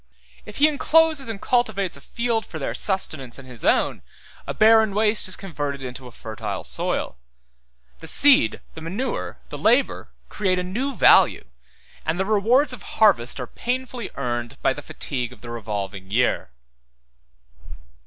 If he encloses and cultivates a field for their sustenance and his own, a barren waste is converted into a fertile soil; the seed, the manure, the labor, create a new value, and the rewards of harvest are painfully earned by the fatigues of the revolving year.